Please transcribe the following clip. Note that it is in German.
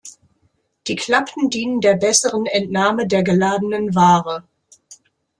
Die Klappen dienen der besseren Entnahme der geladenen Ware.